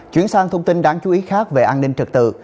chuyển sang thông tin đáng chú ý khác về an ninh trật tự